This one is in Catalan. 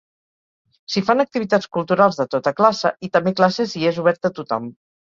S'hi fan activitats culturals de tota classe i també classes i és obert a tothom.